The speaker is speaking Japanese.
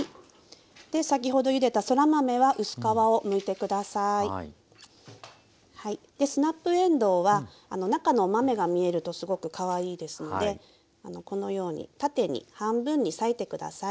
で先ほどゆでたそら豆は薄皮をむいて下さい。でスナップえんどうは中のお豆が見えるとすごくかわいいですのでこのように縦に半分に裂いて下さい。